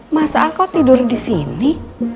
masa kau tidur disini